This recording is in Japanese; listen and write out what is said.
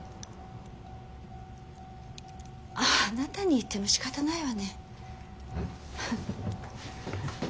あなたに言ってもしかたないわね。